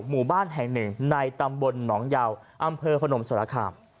หมู่บ้านแห่งหนึ่งในตำบลหนองยาวอำเภอพนมสรคาม